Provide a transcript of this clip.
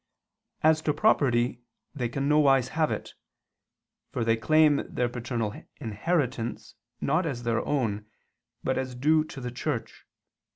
As to property they can nowise have it. For they claim their paternal inheritance not as their own, but as due to the Church.